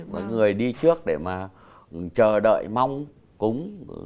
và người đi trước để mà chờ đợi mong cúng